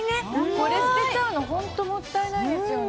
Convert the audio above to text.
これ捨てちゃうの、本当、もったいないですよね。